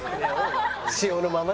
塩のまま。